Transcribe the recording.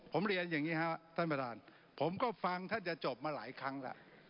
ผมเรียนอย่างนี้ครับท่านประธานผมก็ฟังท่านจะจบมาหลายครั้งแล้ว